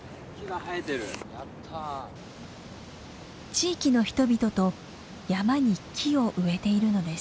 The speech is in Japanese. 地域の人々と山に木を植えているのです。